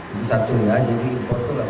itu satu ya jadi impor itu lah